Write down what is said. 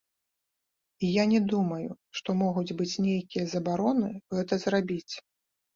І я не думаю, што могуць быць нейкія забароны гэта зрабіць.